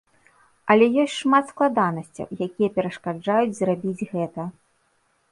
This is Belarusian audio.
Але ёсць шмат складанасцяў, якія перашкаджаюць зрабіць гэта.